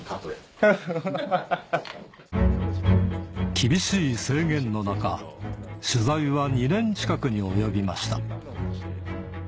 厳しい制限の中取材は２年近くに及びました